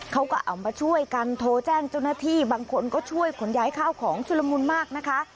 เขาก็เอามาช่วยกันโทรแจ้งเจ้าหน้าที่บางคนก็ช่วยขนย้ายข้าวของชุลมุนมากนะคะ